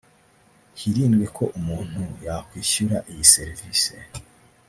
hirindwe ko umuntu yakwishyura iyi serivise